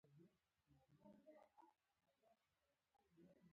دا حیوان د اوبو څنډې ته ورځي.